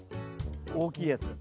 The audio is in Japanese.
大きいやつ。